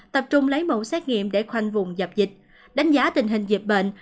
tập trung lấy mẫu xét nghiệm để khoanh vùng dập dịch đánh giá tình hình dịch bệnh